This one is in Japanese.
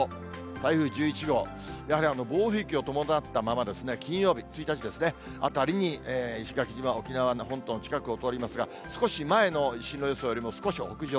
台風１１号、やはり暴風域を伴ったままですね、金曜日１日、あたりに石垣島、沖縄本島の近くを通りますが、前の進路予想よりも少し北上。